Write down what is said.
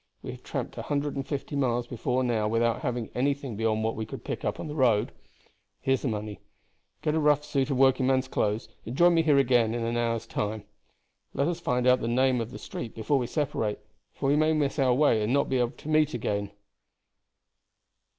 We have tramped a hundred and fifty miles before now without having anything beyond what we could pick up on the road. Here's the money. Get a rough suit of workingman's clothes, and join me here again in an hour's time. Let us find out the name of the street before we separate, for we may miss our way and not be able to meet again."